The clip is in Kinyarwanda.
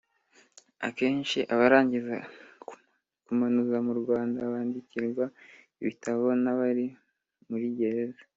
Akenshi abarangiza Kamunuza mu Rwanda bandikirwa ibitabo n’abari muri Gereza